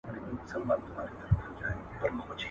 سر که ولاړ سي، عادت نه ځي.